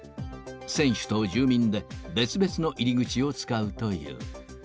選手と住民で別々の入り口を使うという。